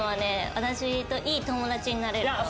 私といい友達になれると思う。